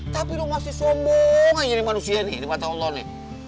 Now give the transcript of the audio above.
tapi lo masih sombong aja nih manusia nih di mata allah ini